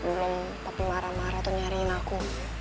belum tapi marah marah tuh nyariin aku